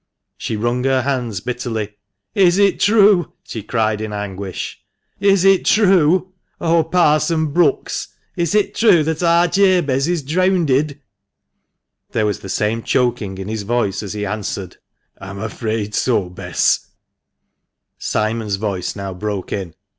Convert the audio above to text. She wrung her hands bitterly. "Is it true?" she cried in anguish, "is it true? Oh, Parson Bracks, is it true that ar Jabez is dreawnded ?'' There was the same choking in his voice as he answerecj — "I'm afraid so, Bess." n6 THE MANCHESTER MAN. Simon's voice now broke in.